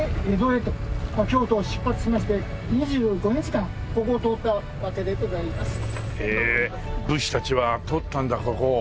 「京都を出発しまして２５日間ここを通ったわけでございます」へえ武士たちは通ったんだここを。